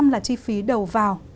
chín là chi phí đầu vào